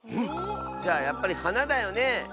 じゃあやっぱりはなだよね。